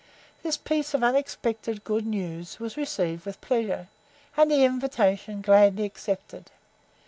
This piece of unexpected good news was received with pleasure, and the invitation gladly accepted.